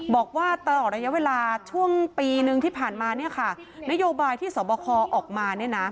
บอกว่าตอนระยะเวลาช่วงปีนึงที่ผ่านมานี่ค่ะนโยบายที่สวบคอออกมาเนี่ยนะ